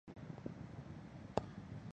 这类病患俗称为植物人。